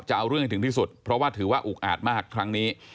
จะเอาเรื่องให้ถึงที่สุดเพราะว่าถือว่าอุกอาจมากครั้งนี้